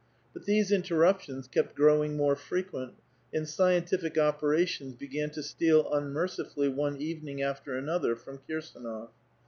But these interruptions kept growing more frequent, and scientiGc operations began to steal unmercifully one even ing after another from Kirsdnof.